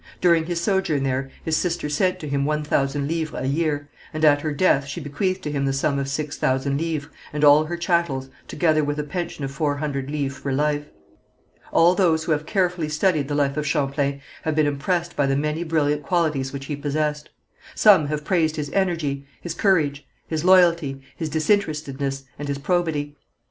During his sojourn there his sister sent to him one thousand livres a year, and at her death she bequeathed to him the sum of six thousand livres, and all her chattels, together with a pension of four hundred livres for life. All those who have carefully studied the life of Champlain, have been impressed by the many brilliant qualities which he possessed. Some have praised his energy, his courage, his loyalty, his disinterestedness, and his probity.